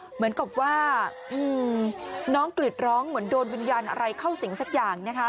เหมือนกับว่าน้องกรีดร้องเหมือนโดนวิญญาณอะไรเข้าสิ่งสักอย่างนะคะ